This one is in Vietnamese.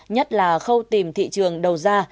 nhất là khâu tìm thị trường đầu ra